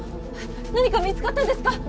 何か見つかったんですか？